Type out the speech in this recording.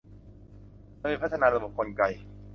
โดยพัฒนาระบบกลไก